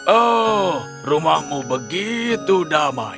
oh rumahmu begitu damai